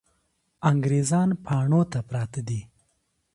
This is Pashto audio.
انګریزان پاڼو ته پراته دي.